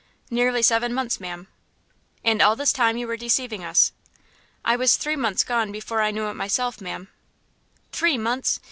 "Nearly seven months, ma'am." "And all this time you were deceiving us." "I was three months gone before I knew it myself, ma'am." "Three months!